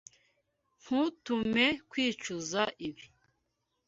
Ntuntume kwicuza ibi.